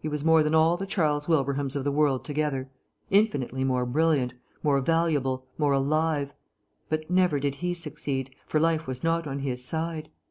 He was more than all the Charles Wilbrahams of the world together; infinitely more brilliant, more valuable, more alive; but never did he succeed, for life was not on his side.